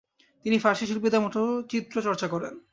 তিনি ফার্সি শিল্পীদের মতো চিত্র চর্চা করেন।